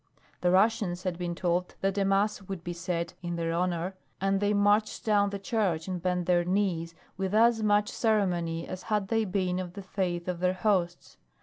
The Russians had been told that a mass would be said in their honor, and they marched down the church and bent their knees with as much ceremony as had they been of the faith of their hosts.